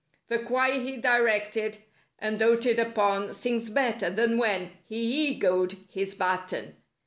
The choir he "directed" and doted upon Sings better than when he egoed his baton.